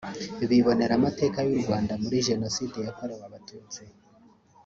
bibonera amateka y’u Rwanda muri Jenoside yakorewe Abatutsi